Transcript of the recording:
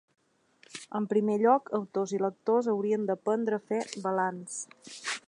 En primer lloc, autors i lectors haurien d’aprendre a fer balanç.